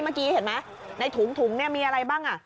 เมื่อกี้เห็นไหมในถุงถุงเนี่ยมีอะไรบ้างอ่ะ